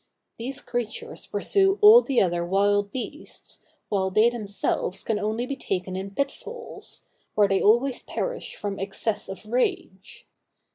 These creatures pursue all the other wild beasts, while they themselves can only be taken in pitfalls, where they always perish from excess of rage.